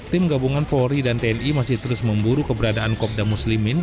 tim gabungan polri dan tni masih terus memburu keberadaan kopda muslimin